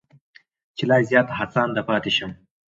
چې لا زیات هڅانده پاتې شم.